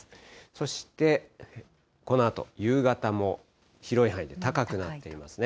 そして、このあと、夕方も広い範囲で高くなっていますね。